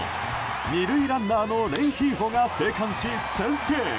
２塁ランナーのレンヒーフォが生還し先制。